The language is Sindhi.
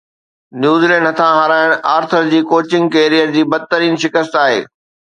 نيوزيلينڊ هٿان هارائڻ آرٿر جي ڪوچنگ ڪيريئر جي بدترين شڪست آهي